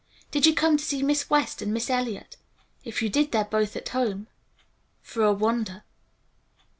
Did you come to see Miss West and Miss Eliot? If you did, they're both at home, for a wonder.